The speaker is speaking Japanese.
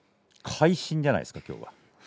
会心じゃないですか、きょうは。